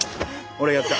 俺がやった。